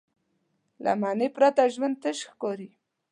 له معنی پرته ژوند تش ښکاري.